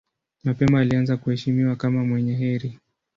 Mapema alianza kuheshimiwa kama mwenye heri.